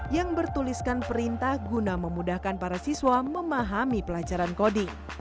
yang bertuliskan perintah guna memudahkan para siswa memahami pelajaran kodi